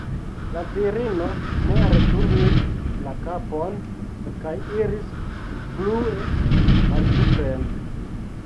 La virino ne returnis la kapon kaj iris plue malsupren.